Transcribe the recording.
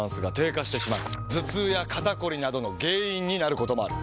頭痛や肩こりなどの原因になることもある。